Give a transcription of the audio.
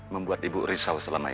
membuat ibu risau selama ini